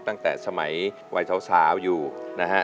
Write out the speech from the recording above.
ตั้งแต่สมัยวัยสาวอยู่นะฮะ